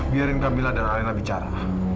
biarin kamilah dan alena bicara